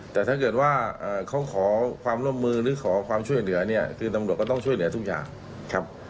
แต่ถ้าเกิดว่าเขาขอความร่วมมือหรือขอความช่วยเหลือเนี่ยคือตำรวจก็ต้องช่วยเหลือทุกอย่างครับ